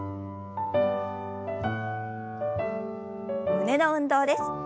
胸の運動です。